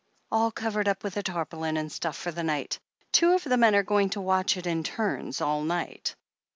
"All covered up with tarpaulin and stuff for the night. Two of the men are going to watch it, in turns, all night.